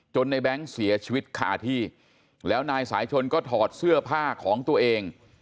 ในแบงค์เสียชีวิตคาที่แล้วนายสายชนก็ถอดเสื้อผ้าของตัวเอง